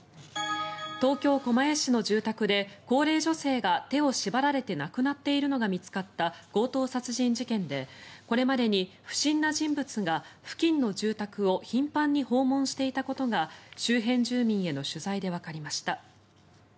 東京・狛江市の住宅で高齢女性が手を縛られて亡くなっているのが見つかった強盗殺人事件でこれまでに不審な人物が付近の住宅を頻繁に訪問していたことが周辺住民への取材でわかりました。